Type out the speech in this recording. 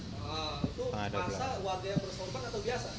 itu masa warga yang bersopan atau biasa